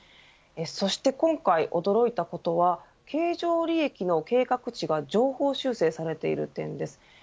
そして今回、驚いたことは経常利益の計画値が上方修正されている点です。